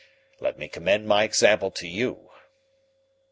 Let me commend my example to you."